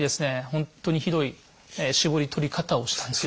ほんとにひどい搾り取り方をしたんですよ。